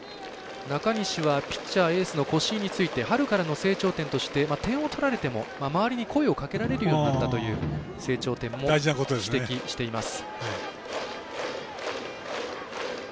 中西はピッチャーエースの越井について点を取られても周りに声をかけられるようになったという成長点も指摘しています。